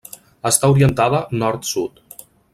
Està orientada nord-sud.